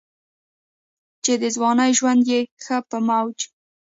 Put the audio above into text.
چې دَځوانۍ ژوند ئې ښۀ پۀ موج